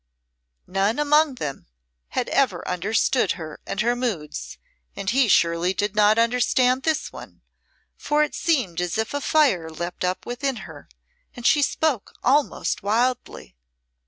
None among them had ever understood her and her moods, and he surely did not understand this one for it seemed as if a fire leaped up within her, and she spoke almost wildly.